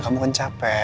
kamu kan capek